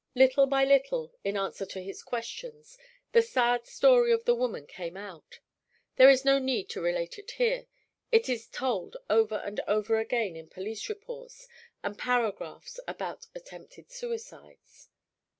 Little by little, in answer to his questions, the sad story of the woman came out. There is no need to relate it here; it is told over and over again in police reports and paragraphs about attempted suicides.